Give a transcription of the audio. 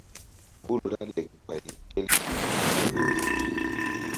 Hul ra lek ɓay el gi maŋ ni.